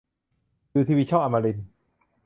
ดูทีวีช่องอมรินทร์